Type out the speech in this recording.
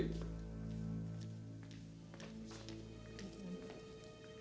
aku sudah selesai